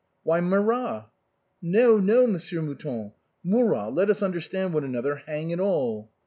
"Why, Marat." " No, no, Monsieur Mouton. Murat, let us understand one another, hang it all